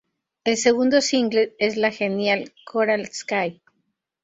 El segundo single es la genial "Coral Sky".